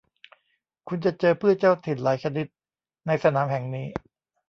คุณจะเจอพืชเจ้าถิ่นหลายชนิดในสนามแห่งนี้